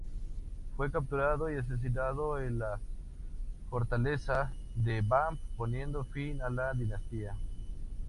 Fue capturado y asesinado en la fortaleza de Bam, poniendo fin a la dinastía.